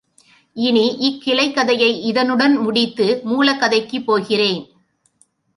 இனி இக் கிளைக் கதையை இதனுடன் முடித்து, மூலக் கதைக்குப் போகிறேன்.